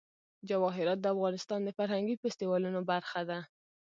جواهرات د افغانستان د فرهنګي فستیوالونو برخه ده.